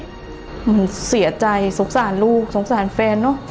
มันเสียใจสงสารลูกสงสารแฟนเนอะ